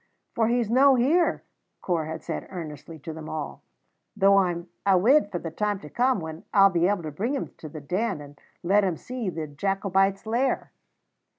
"For he's no here," Corp had said earnestly to them all; "though I'm awid for the time to come when I'll be able to bring him to the Den and let him see the Jacobites' Lair."